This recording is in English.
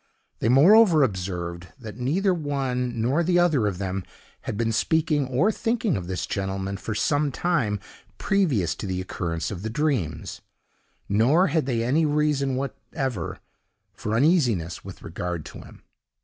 They moreover observed, that neither one nor the other of them had been speaking or thinking of this gentleman for some time previous to the occurrence of the dreams; nor had they any reason whatever for uneasiness with regard to him.